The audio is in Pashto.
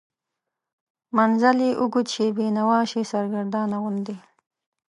منزل یې اوږد شي، بینوا شي، سرګردانه غوندې